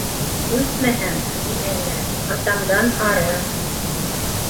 Күсмәһәң ни әллә, атамдан ары!